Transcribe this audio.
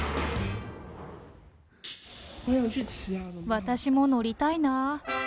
私も乗りたいなぁ。